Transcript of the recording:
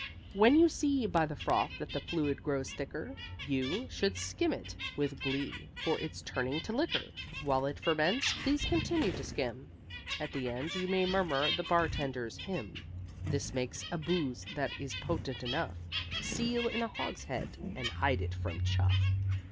When you see by the froth that the fluid grows thicker You, should skim it (with glee) for it's turning to liquor! While it ferments, please continue to skim: At the end, you may murmur the Bartender's Hymn. This makes a booze that is potent enough Seal in a hogshead and hide it from Chuff!